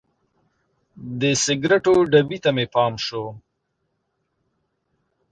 د سګریټو ډبي ته مې پام شو.